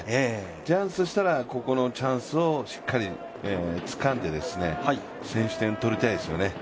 ジャイアンツからしたらここのチャンスをしっかりつかんで先取点を取りたいですよね。